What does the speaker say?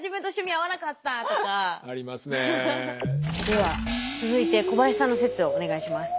では続いて小林さんの説をお願いします。